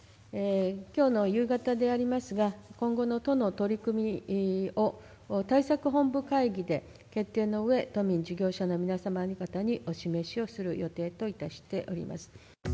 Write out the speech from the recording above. きょうの夕方でありますが、今後の都の取り組みを、対策本部会議で決定のうえ、都民・事業者の皆様方にお示しをする予定といたしております。